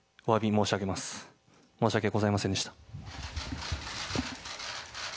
申し訳ございませんでした。